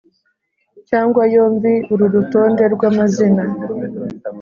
cyangwa yombi Uru rutonde rw amazina